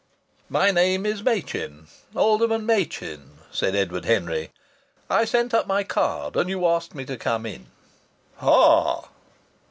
"My name is Machin Alderman Machin," said Edward Henry. "I sent up my card and you asked me to come in." "Ha!"